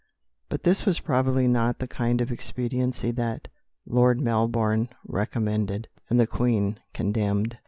But this was probably not the kind of expediency that Lord Melbourne recommended, and the Queen condemned.